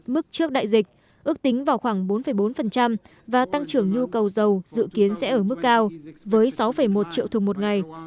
mức trước đại dịch ước tính vào khoảng bốn bốn và tăng trưởng nhu cầu dầu dự kiến sẽ ở mức cao với sáu một triệu thùng một ngày